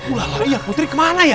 ulah iya putri kemana ya